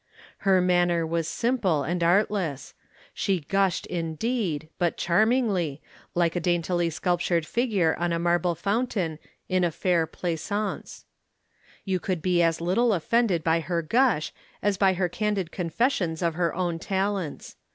Her manner was simple and artless she gushed, indeed, but charmingly, like a daintily sculptured figure on a marble fountain in a fair pleasaunce. You could be as little offended by her gush, as by her candid confessions of her own talents.